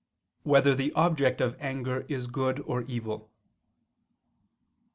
2] Whether the Object of Anger Is Good or Evil?